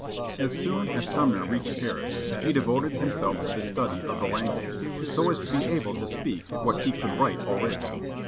As soon as Sumner reached Paris he devoted himself to the study of the language, so as to be able to speak what he could write already.